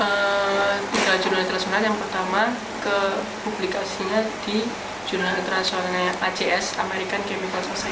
pertama ke publikasinya di jurnal internasional acs american chemical society